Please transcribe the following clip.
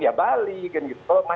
ya bali mas kp itu banyak